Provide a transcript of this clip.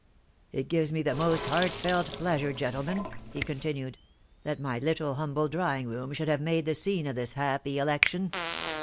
" It gives me the most heartfelt pleasure, gentlenuaVT he continued, " that my little humble drawingt voom should have been* made the scene of this happy election.